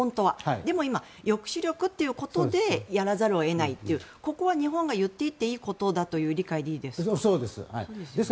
でも今、抑止力ということでやらざるを得ないというここは日本が言っていっていいことだという理解でいいですか？